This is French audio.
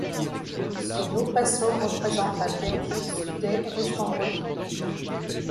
Ce beau paso représente la Vierge sous Dais richement brodé.